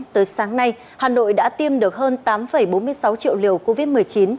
tới sáng nay hà nội đã tiêm được hơn tám bốn mươi sáu triệu liều covid một mươi chín